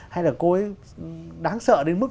hay là cô ấy đáng sợ đến mức